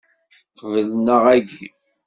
Qbel neɣ agi.